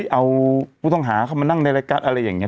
เอาผู้ต้องหาเข้ามานั่งในรายการอะไรอย่างนี้